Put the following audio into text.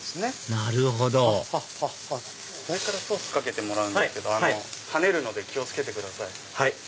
なるほど上からソースかけてもらうんですけどはねるので気を付けてください。